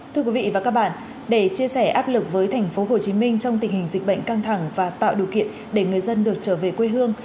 thưa quý vị và các bạn để chia sẻ áp lực với thành phố hồ chí minh trong tình hình dịch bệnh căng thẳng và tạo điều kiện để người dân được trở về quê hương